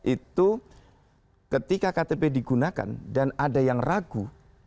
itu ketika ktp digunakan dan ada yang ragu